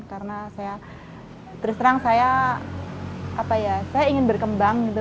karena saya terus terang saya apa ya saya ingin berkembang